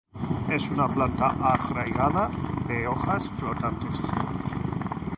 Es una planta arraigada de hojas flotantes.